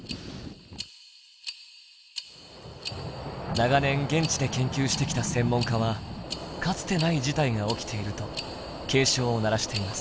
長年現地で研究してきた専門家はかつてない事態が起きていると警鐘を鳴らしています。